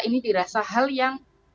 ini dirasa hal yang tidak terlalu baik